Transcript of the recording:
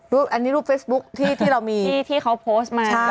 รูปอันนี้รูปเฟซบุ๊กที่ที่เรามีที่ที่เขาโพสต์มาใช่